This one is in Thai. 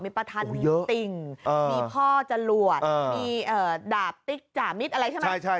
ประธานมีติ่งมีพ่อจรวดมีดาบติ๊กจ่ามิตรอะไรใช่ไหม